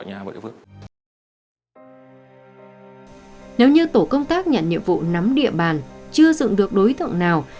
nếu như tổ công tác nhận nhiệm vụ nắm địa bàn chưa dựng được đối tượng nào